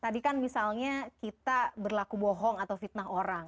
tadi kan misalnya kita berlaku bohong atau fitnah orang